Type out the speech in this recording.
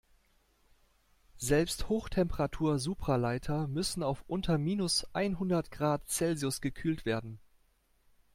Selbst Hochtemperatur-Supraleiter müssen auf unter minus einhundert Grad Celsius gekühlt werden.